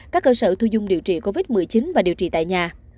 các cơ sở thu dung điều trị covid một mươi chín và điều trị tại nhà